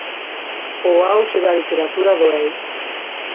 O auxe da "literatura do eu".